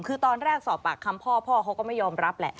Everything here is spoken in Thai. คือตอนแรกสอบปากคำพ่อพ่อเขาก็ไม่ยอมรับแหละ